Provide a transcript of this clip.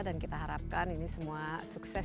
dan kita harapkan ini semua sukses